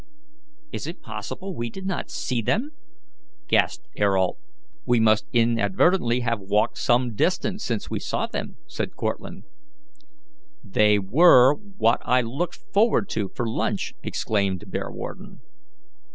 "Is it possible we did not see them?" gasped Ayrault. "We must inadvertently have walked some distance since we saw them," said Cortlandt. "They were what I looked forward to for lunch," exclaimed Bearwarden.